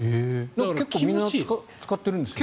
結構みんな使っているんですよね。